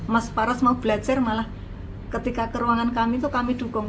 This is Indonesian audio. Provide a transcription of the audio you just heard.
mas paras mau belajar malah ketika ke ruangan kami itu kami dukung